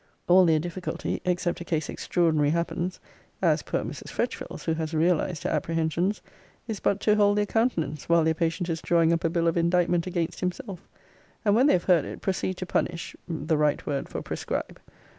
All their difficulty, except a case extraordinary happens, (as poor Mrs. Fretchville's, who has realized her apprehensions,) is but to hold their countenance, while their patient is drawing up a bill of indictment against himself; and when they have heard it, proceed to punish the right word for prescribe.